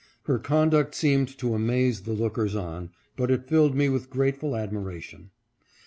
Her conduct seemed to amaze the lookers on, but it filled me with grateful admiration.